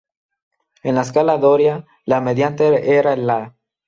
En la escala doria, la mediante era el "la".